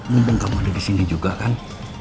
mumpung kamu ada di sini juga kan